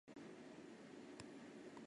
指令操作和编码